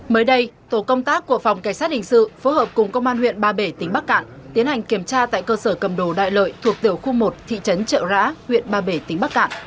mới đây tổ công tác của phòng cảnh sát hình sự phối hợp cùng công an huyện ba bể tỉnh bắc cạn tiến hành kiểm tra tại cơ sở cầm đồ đại lợi thuộc tiểu khu một thị trấn trợ rã huyện ba bể tỉnh bắc cạn